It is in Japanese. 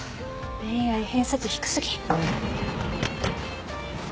恋愛偏差値低過ぎ。